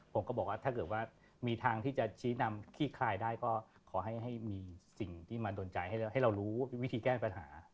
ผมก็บอกว่าถ้าเกิดว่ามีทางที่จะชี้นำขี้คลายได้ก็ขอให้มีสิ่งที่มาโดนใจให้เรารู้วิธีแก้ปัญหา